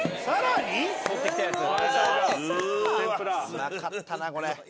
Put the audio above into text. うまかったなこれ。